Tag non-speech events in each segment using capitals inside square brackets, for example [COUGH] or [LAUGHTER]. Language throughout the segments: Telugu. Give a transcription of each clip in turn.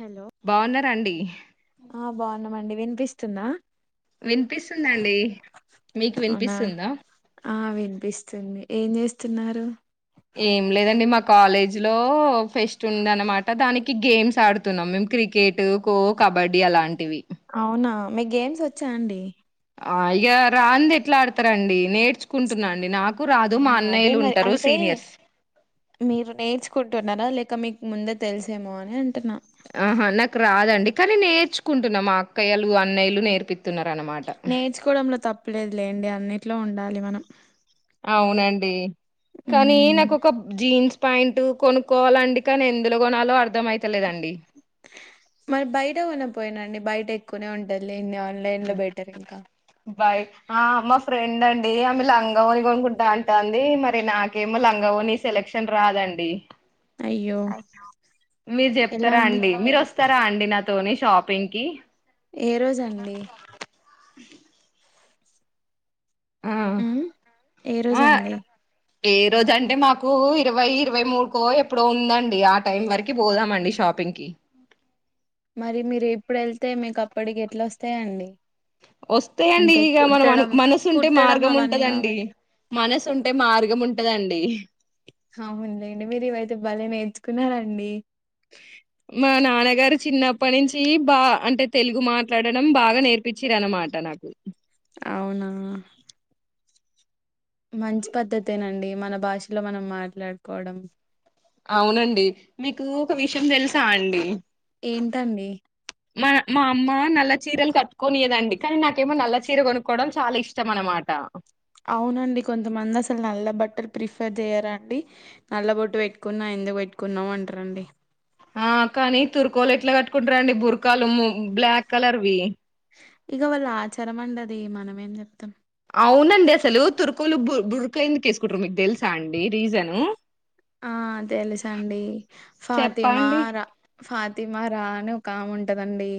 హలో బాగున్నారా అండి ఆ బాగున్నామండి వినిపిస్తుందా వినిపిస్తుందండి మీకు అవునా వినిపిస్తుందా ఆ వినిపిస్తుంది ఏం చేస్తున్నారు ఏం లేదండి మా కాలేజ్ లో ఫెస్ట్ ఉంది అనమాట దానికి గేమ్స్ ఆడుతున్నాం మేము క్రికెట్ కో కబడ్డీ అలా లాంటివి అవునా మీకు గేమ్స్ వచ్చా అండీ ఆ ఇక రాంది ఎట్లా ఆడతారండి నేర్చుకుంటున్నాండి నాకు రాదు మా ఆ అదే అన్నయ్యలు మరి ఉంటారు అంటే సీనియర్స్ మీరు నేర్చుకుంటున్నారా లేక ఇక మీకు ముందే తెలిసేమో అని అంటున్నా ఆహా నాకు రాదండి కానీ నేర్చుకుంటున్న మా అక్కయ్యలు అన్నయ్యలు నేర్పి నేర్చుకోవడంలో తప్పలేదు లేండి అన్నిట్లో ఉండాలి మనం అవునండి కానీ ఉమ్ నాకు ఒక జీన్స్ పాయింట్ కొనుక్కోవాలండి కానీ ఎందులో కొనలో అర్ మరి బయట కొన పోయినండి బయట ఎక్కువనే ఉంటంది లెండి ఆ ఆన్లైన్ లో బెటర్ ఇంకా బాయ ఆ మా ఫ్రెండ్ అండి ఆమె లంగావోని కొనుక్కుంటా అంటది మరి నాకేమో లంగావో వోణి సెలక్షన్ రాదండి అయ్యో మీరు చెప్తారా అండి మీరు వస్ స్తారా అండి నాతోని షాపింగ్ కి ఏ రోజండి [INAUDIBLE] ఆ ఉ ఏ ఆ రోజండి ఏ రోజు అంటే మాకు ఇరవై ఇరవై మూడుకో ఎప్పుడో ఉందండి ఆ టైం వరకి పోదామండి షాప్ షాపింగ్ కి మరి మీరు ఇప్పుడు వెళ్తే మీకు అప్పటికి ఎట్లా వస్తాయండి వస్తాయండి అంటే ఇక మన మ కుట్టడం మనసు ఉంటే కుట్టడం మార్గం అవన్నీ ఉంటదండి కావాలి మనసు ఉంటే మార్గం ఉంటదండి అవునులేండి మీరు ఇవైతే భలే నేర్చుకున్నారండి మా నాన్నగారు చిన్నప్పటి నుంచి బా అంటే తెలుగు మాట్లాడడం బాగా నేర్పించిరనమాట నాకు అవునా మంచి పద్ధతేనండి మన భాషలో మనం మాట్లాడుకోవడం అవునండి మీకు ఒక విషయం తెలుసా అండి ఏంటండి మా మా అమ్మ నల్ల చీరలు కట్టుకొనియదండి కానీ నాకేమో నల్ల చీర కొనుక్కోవడం చాలా ఇష్టం అనమాట టా అవునండి కొంతమంది అసలు నల్ల బట్టలు ప్రిఫర్ చెయరాండి నల్ల బొట్టు పెట్టుకున్నా ఎందుకు పెట్టుకున్నవు అంటరండి ఆ కానీ తుర్కోలు ఎట్లా కట్టుకుంటారండి బురకాలు ము బ్లాక్ కలర్వి ఇగ వాళ్ళ ఆచారం అండది మనం ఏం చెప్తాం అవునండి అసలు తుర్కులు బు బురకెందుకు వెసుకుంట్ర మీకు తెలుసా అండి రీజను ఆ తెలుసండి ఫాతిమా చెప్పండి రా ఫా తిమారా అని ఒక ఆముంటదండి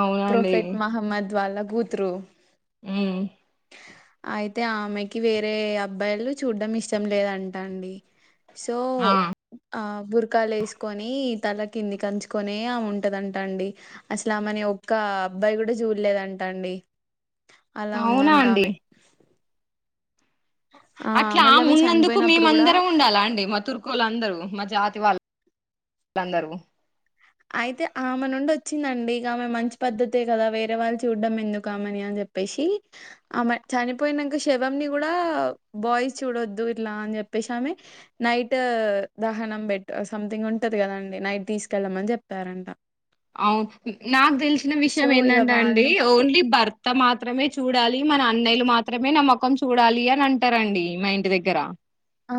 అవునండి ప్రొఫెట్ మహమ్మద్ వాళ్ళ గూత్రు ఊ అయితే ఆమెకి వేరే అబ్బాయిలు చూడ్డం ఇష్టం లేదంటా అండి సో ఆ ఆ బురకాలు వేసుకొని తల్ల కింది వంచుకొనే ఆమే ఉంటదంటా అండి అసలు ఆమెని ఒక్ ఇంకా అబ్బాయి కూడా చూడలేదంటండి అలా అవునా అండి ఉందంటామె అట్లా ఆమె ఉన్నందుకు చనిపోయినప్పుడు కూడా మేమందరం ఉండాలా అండి మా తుర్కులందరూ మా జాతి వాళ్ళు అందరూ అయితే ఆమె నుండి వచ్చిందండి ఇక ఆమె మంచి పద్ధతే కదా వేరే వాళ్ళును చూడ్డం ఎందుకు ఆమెని అని చెప్పేసి ఆమె చనిపోయినాక శవం ని కూడ బాయ్స్ చూడొద్దు ఇట్లా అని చె ప్పేసామే నైట్ దహనం సంథింగ్ ఉంటాది కదండి నైట్ తీసుకెళ్లమని చె తరంట అవు నాకు తెలిసిన సో విషయం ఇక ఏంటంటే అండి వాళ్ళు ఓన్లీ భర్త మాత్రమే చూడాలి మన అన్నయ్యలు మాత్రమే న మొకం చూడాలి అని అంటారండి మా ఇంటి దగ్గర ఆ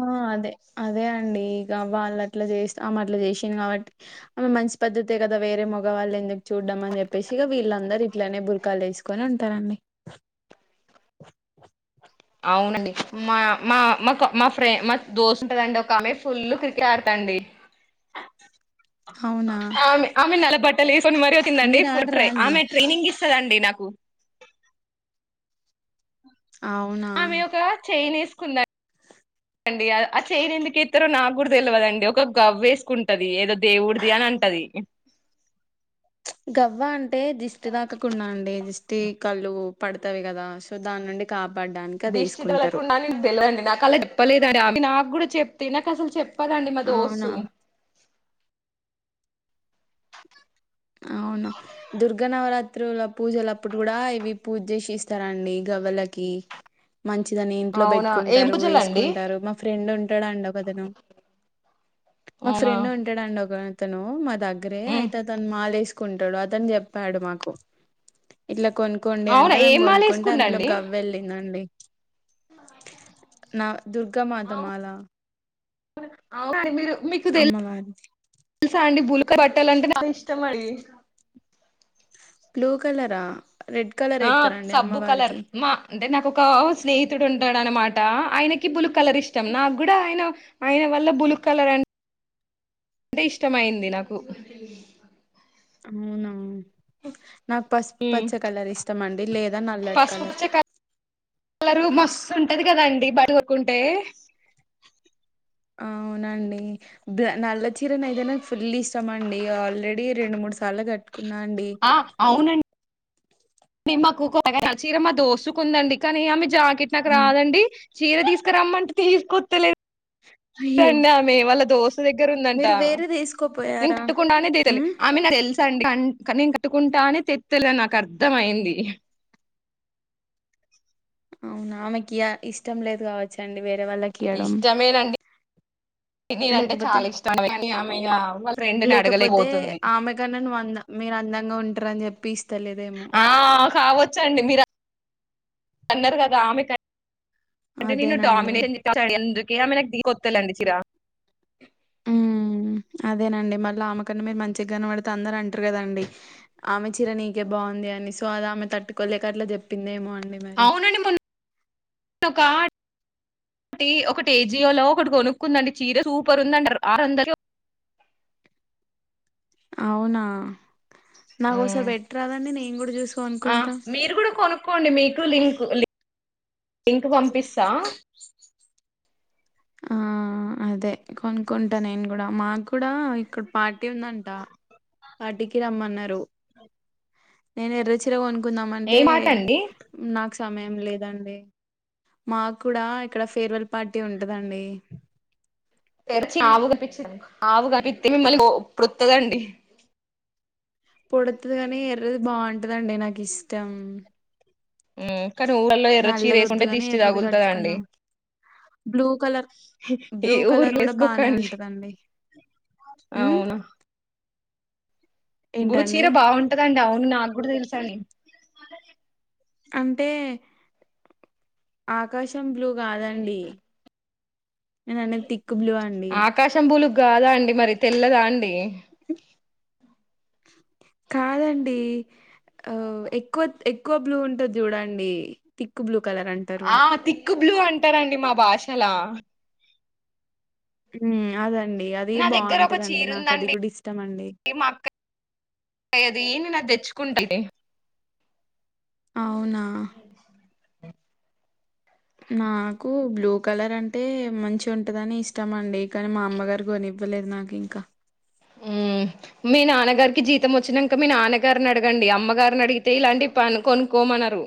అదే అండి ఇక వాళ్ళు అట్లా చేస్త ఆమె అట్లా చేసింది కాబట్టి ఆమె మంచి పద్ధతి కద వేరే మగవాళ్ళు ఎందుకు చూడ్డం అని చెప్పేసి ఇగ వీళ్ళందరూ ఇట్లనే బురకాలు వేసుకొని ఉంటారండి [INAUDIBLE] అవునండి మా మా మా మా ఫ్రెం మా దోస్తు ఉంటాదండి ఒక ఆమె ఫుల్ క్రికెట్ ఆడతా అండి [INAUDIBLE] అవునా ఆమె ఆమె నెలబట్టలు వేసుకొని మరి వచ్చిందండి మీరు ఆడరా ఫట్రే అండి ఆమె ట్రైనింగ్ ఇచ్చేదండి నాకు అవునా ఆమె ఒక చెయిన్ వేసుకుంద అండి ఆ చైన్ ఎందుకు ఎత్తారో నాకుడా తెలివదండి ఒక గవ్వ వేసుకుంటాది ఏదో దేవుడిది అని ఉంటది గవ్వ అంటే దిష్టి తాక కుండా అండి [UNINTELLIGIBLE] టి కళ్ళు పడతాయి కదా సో దాని నుండి కా దిష్టితగలకుండానే నేను తెలండి నాకు అలా చెప్పలేదుని నాకు కూడా చెప్తే నాకు అసలు చెప్ [UNINTELLIGIBLE] అండి మా అవునా దోస్తు అవును దుర్గ నవరాత్రుల పూజలు అప్పుడు కూడ ఇవి పూజ చేసి ఇస్తారండి గవ్వలకి మంచిదని ఇంట్లో అవునా ఏం పెట్టుకుంటారు పూజలండి వేసుకుంటారు మా ఫ్రెండ్ ఉంటాడండి ఒక అతను మా అవునా ఫ్రెండ్ ఉంటాడండి ఒ అతను మా దగ్గరే ఉమ్ అయితే అతను మాలేసుకుంటాడు అతను చెప్పాడు మాకు ఇట్ల కొనుక్కోండి అవునా అంటే మేము ఏం మాల కొనుక్కుంటే అందులో వేసుకుండండి గవ్వ వెళ్ళిందండి నా దుర్గా మాత మాల అవు మీరు మీకు తెలు అమ్మవారి తెలుసా అండి బులు ఇష్టమండి బ్లూ కలరా రెడ్ కలర్ ఆ ఎత్తరండి సబ్బు కలర్ అమ్మవారికి మ అంటే నాకు ఒక స్నేహితుడు ఉంటాడు అన్మాట ఆయనకి బులు కలర్ ఇష్టం నాకు కూడా ఆయన ఆయన బులు కలర్ అం అంటే ఇష్టంమయింది నాకు అవునా నాకు పసుపు ఉమ్ పచ్చ కలర్ ఇష్టం మండి లేద నల్లటి పసుపు కలర్ పచ్చ కలరు మస్తు ఉంటది కదాండి [UNINTELLIGIBLE] కొనుకుంటే అవునండి నల్ల చీర అయితే నాకు ఫుల్ ఇష్ట మండి ఆల్రెడీ రెండు మూ సాల్ కట్ ఆ అవున మాకు చీర మా దోస్తు కొందండి కానీ ఆమె జాకెట్ నాకు ఉమ్. రాదండి చీర తీసుకురమ్మంటే తీసుకొస్తలే అయ్యో అమే వాళ్ళ దోస్ దగ్గర ఉందంట మీరు వేరే తీసుకోపోయారా కట్టుకుండానే ఉమ్ [UNINTELLIGIBLE] నేను కట్టుకుంటానే తెత్తలే నాకు అర్థం అయింది అవునా ఆమెకియ ఇష్టం లేదు కావచ్చండి వేరే వాళ్ళకి ఇయ్వడం ఇష్టమేనండి నేనంటే లేకపోతే చాలా ఇష్టం కానీ ఆమె ఇగ వాళ్ళ ఫ్రెండ్ ని లేకపోతే అడగలేకపోతుంది ఆమె కన్నా నువ్వు అంద మీరు అం అందంగా ఉంటారని చెప్పి ఇస్తలేదేమో ఆ కావచ్చండి మీరు అన్నారు కదా ఆమె కయ్ అంటే నేను అదేనండి డామినేషన్ ఎందుకే ఆమె నాకు ది కొత్తండి చిరా ఉమ్ అదేనండి మళ్ళీ ఆమె కన్నా మీరు మంచిగాన పడితే అందరు అంటారు కదండి ఆమె చీర నీకే బా బాగుంది అని సో అది ఆమె తట్టుకోలేక అట్లా చెప్పిందేమో అని అవునండి మొన్న ఒక ఒకటి ఒకటి ఏజియోలో ఒకటి కొనుక్కుందండి చీర సూపర్ ఉందండి అరుండిలే అవునా నాకోసారి ఉమ్ పెట్టరాదండి నేను కూడా చూసి ఆ కొనుక్కుంటా మీరు కూడా కొనుక్కోండి మీకు లింక్ లీ లింకు పంపిస్తా ఆ అదే కొనుకుంటా నేను కూడా మాకు కూడా ఇక్కడ పార్టీ ఉందంట పార్టీకి రమ్మన్నారు. నేను ఎర్రచీర ఏ కొనుకుందామంటే మాట అండి నాకు సమయం లేదండి. మాకు కూడా ఇక్కడ ఫేర్వెల్ పార్టీ ఉంటదండి. తేరిచి ఆవు గనిపిచ్చి ఆవుగానిపిచ్చింది మళ్ళీ పో ప్రొట్తదండి పొడతది కానీ ఎర్రది బాగుంటదండి నాకు ఇష్టం. కానీ ఊళ్లో ఎర్ర చీర నల్లది యేసుకుంటే వద్దుగాని దిష్టి ఎర్రది తాగులుతిదండి. కట్టుకుందాం బ్లూ కలర్ ఈ బ్లూ కలర్ ఊర్లో కూడా బానే వేసుకోకండి ఉంటదండి బ్లూ చీర ఏంటండి బాగుంటదండి అవును నాకు కూడా తెలుసండి. అంటే ఆకాశం బ్లూ కాదండి. నేను అనేది థిక్క్ బ్లూ అండి. ఆకాశం బులుగు కాదా అండి మరి తెల్లదా అండి. కాదండి ఆ ఎక్కువ ఎక్ ఎక్కువ బ్లూ ఉంటుంది చూడండి థిక్క్ బ్లూ కలర్ అంటారు. థిక్క్ బ్లూ అంటారండి మా భాషలా హ్మ్ అదండి అది నా దగ్గర ఒక బాగుంటదండి. చీర నాకు అది ఉందండి కూడా ఇష్టం అండి. ఏ నేనది తెచ్చకుంటలే. అవునా నాకు బ్లూ కలర్ అంటే మంచి ఉంటదని ఇస్తామండి కానీ మా అమ్మగారు కొని ఇవ్వలేదు నాకింకా మ్మ్ మీ నాన్నగారికి జీతం వచ్చినంక మీ నాన్నగారిని అడగండి అమ్మగారిని అడిగితే ఇలాంటి పను కొనుకోమని అన్నారు.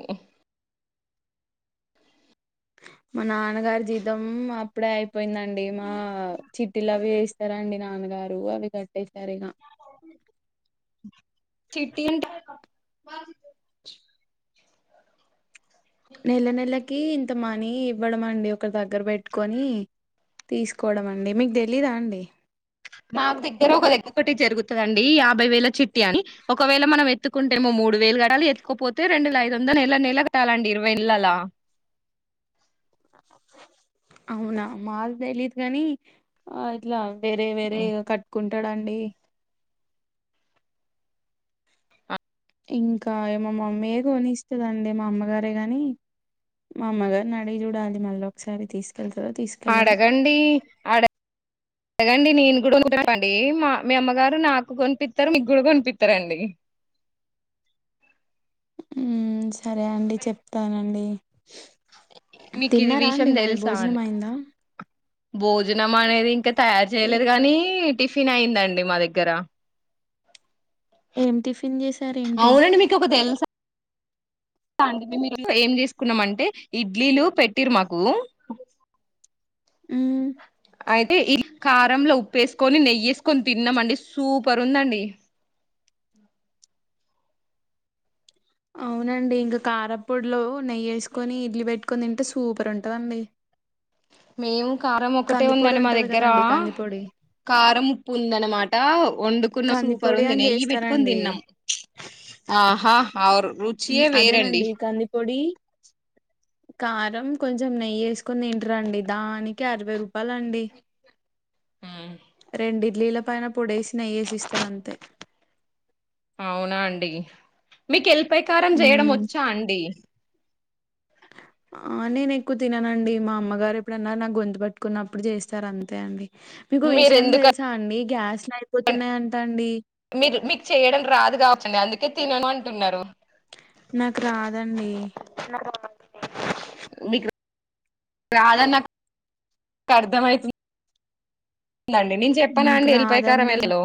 మా నాన్నగారి జీతం అప్పుడే అయిపోయిందండి. ఏ మా చిట్టీలు అవి ఎస్తారండి నాన్నగారు అవి కట్టేసారు ఇక చిట్టీ ఉంటే వాస్ గో నెల నెలకి ఇంత మనీ ఇవ్వడం అండి ఒకరి దగ్గర పెట్టుకొని తీసుకోవడం అండి మీకు తెలీదా అండి. మాకు దగ్గర ఒక దగ్గ ఒకటి జరుగుతుందండి. యాభై వేల చిట్టి అని ఒకవేళ మనం ఎత్తుకుంటే ము మూడు వేలు కటాలి ఎత్తుకోపోతే రెండువేల ఐదు వందలు నెల నెల కటాలండి ఇరవై నెలల్ల అవునా మాక్ తెలీదు గని ఆ ఇట్లా వేరే వేరే ఇగ కట్టుకుంటాడండి. ఇంకా ఇమా మమ్మీయే కొనిస్తుదండి మా అమ్మగారే గాని మా అమ్మగారిని అడిగి చూడాలి మళ్ళీ ఒకసారి తీసు అడగండి అడ అడగన్ అండి నేను కూడా కొనుకుంటానండి మా మీ అమ్మగారు నాకు కొనిపిత్తరు మీకు కూడా కొనిపిత్తరండి. ఉమ్ సరే అండి చెప్తానండి. మీకు ఇది తిన్నారా విషయం అండి మరి తెలుసా భోజనం అని అయిందా భోజనం అనేది ఇంకా తయారు చేయలేదు ఏంటా కానీ టిఫిన్ అయి్యందండి మా దగ్గర ఏం టిఫిన్ చేశారేంటి అవునండి మీకు ఒక తెలుసా అడి మే ఏం చేసుకున్నామ అంటే ఇడ్లీలు పెట్టిరు మాకు ఉమ్ ఆయి ఈ కారంంలో ఉప్పేసుకొని నెయ్యేసుకొని తిన్నామ అండి సూపర్ ఉందండి అవునండి ఇంకా కారపొడిలో నెయ్యి వేసుకొని ఇడ్లీ పెట్టుకొని తింటే సూపర్ ఉంటదండి మేము కారం ఒకటే కందిపొడి ఉందండి మా ఉంటది దగ్గర కదండి కందిపొడి కారం ఉప్పు ఉంద అనమాట వండుకున్న సూపర్ కందిపొడి ఉంది అని నెయ్యి పెట్టుకొని చేస్తారండి తిన్నాము ఆహా ఆరు మ్మ్, రుచియే వేరండి అదేనండి కందిపొడి కారం కొంచెం నెయ్యి వేసుకొని తింట రండి దానికి అరవై రూపాయల అండి రెండిడ్లీల పైన పొడేసి నెయ్యేసిస్తార్ అంతే అవునా అండి మీకు ఎల్పకారం చేయడం మ్మ్, వచ్చా అండి అ ఆ నేను ఎక్కువ తిననండి మా అమ్మగారు ఎప్పుడన్నారు నా గొంతు పట్టుకున్నప్పుడు చేస్తారు అంతే అండి మీకు మీరు విషయం ఎందుక తెలుసా అండి గ్యాస్లు అయిపోతున్నాయి అంటా అండి మీరు మీకు చేయడం రాదు కాబట్ండి అందుకే తినను అంటున్నారు నాకు రాదండి మీకు రా రాదని నాకు అర్థంమవుతుంది లండి నేను చెప్పానా నాకు అండి ఎలిపైకారం రాదండి ఎలో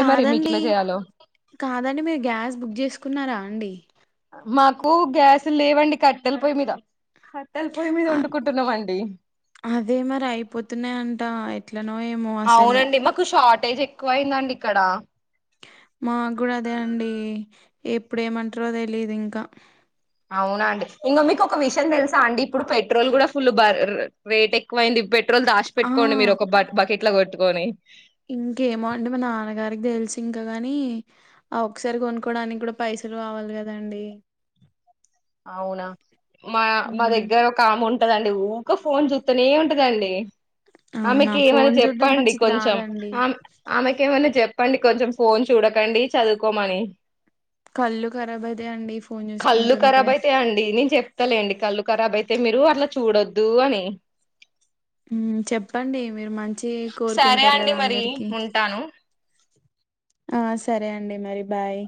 కాదండి చేయాలో కాదండి మీరు గ్యాస్ బుక్ చేసుకున్నారా అండి మాకు గ్యాస్ లేవండి కట్టెలి పోయి మీద కట్టెల పొయ్యి మీద అ వండుకుంటున్నామ అండి అదే మరి అయిపోతున్నాయంట ఎట్లనో ఏమో అసలు అవునండి మాకు షార్టేజ్ ఎక్కువ అయిందండి ఇక్కడ మాగు అదే అండి ఎప్పుడ ఏమంటారో తెలీదు ఇంకా అవున అండి ఇంకా మీకు ఒక విషయం తెలుసా అండి ఇప్పుడు పెట్రోల్ కూడా ఫుల్ బర్ రేట్ ఎక్కువైంది పెట్రోల్ దాసి ఆ పెట్టుకోండి మీరు ఒక బకెట్ లో కొట్టుకొని ఇంకేమో అంటే మా నాన్నగారికి తెలిసు ఇంకా కాని ఆ ఒకసారి కొనుక్కోడానికి కూడా పైస [UNINTELLIGIBLE] కావాలి కదండి అవునా మా మా ఉమ్ దగ్గర ఒకాముంట ఉంటదండి ఊక ఫోన్ చూస్తూనే ఉంటదండి అవునా ఆమెకి ఏమైనా ఫోన్ చూడ్డం చెప్పండి మంచిది కొంచెం కాదండి ఆమె ఆమెకి ఏమన్నా చెప్ప చెప్పండి కొంచెం ఫోన్ చూడకండి చదువుకోమని కళ్ళు ఖరాబ్ అయితాయండి ఫోన్ కళ్ళు చూసుకుంటుంటే ఖరాబ్ అయిత అండి నేను చెప్తాలేండి కళ్లుఖరాబ్ అయి అయిే మీరు అట్లా చూడొద్దు అని చెప్పండి మీరు మంచి సరే కోరుకుంటారు అండి కదా మరి అందరికి ఉంటాను ఆ సరే అండి మరి బాయ్